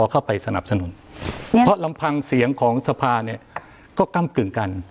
เข้าไปสนับสนุนเพราะลำพังเสียงของสภาเนี่ยก็ก้ำกึ่งกัน